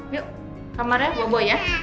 yuk kamarnya buah buah ya